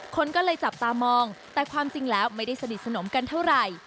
คนก็เลยจับตามองแต่ความจริงแล้วไม่ได้สนิทสนมกันเท่าไหร่